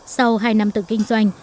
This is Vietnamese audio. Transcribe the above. sau hai năm tự kinh doanh